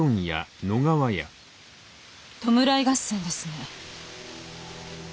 弔い合戦ですね。